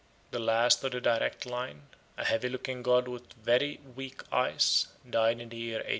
The last of the direct line, a heavy looking god with very weak eyes, died in the year 1810.